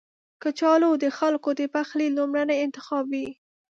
کچالو د خلکو د پخلي لومړنی انتخاب وي